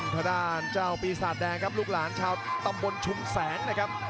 ทางด้านเจ้าปีศาจแดงครับลูกหลานชาวตำบลชุมแสงนะครับ